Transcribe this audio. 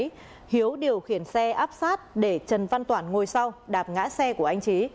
hiếu điều khiển xe áp sát để trần văn toản ngồi sau đạp ngã xe của anh trí